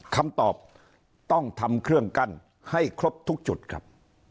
คำตอบต้องทำเครื่องกั้นให้ครบทุกจุดครับ